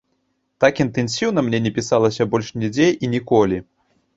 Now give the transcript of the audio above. Так інтэнсіўна мне не пісалася больш нідзе і ніколі.